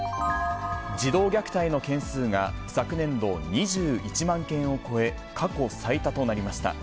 児童虐待の件数が昨年度、２１万件を超え、過去最多となりました。